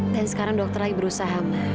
dan sekarang dokter lagi berusaha ma